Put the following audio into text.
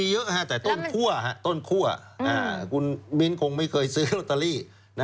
เยอะแต่ต้นคั่วต้นคั่วคุณมิ้นคงไม่เคยซื้อลอตเตอรี่